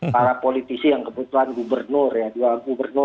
para politisi yang kebetulan gubernur